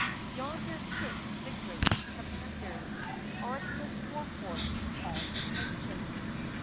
Yonder sits the great commander On his war horse, all attention